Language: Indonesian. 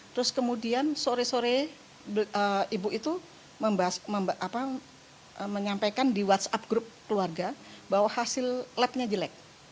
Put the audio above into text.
terus kemudian sore sore ibu itu menyampaikan di whatsapp group keluarga bahwa hasil labnya jelek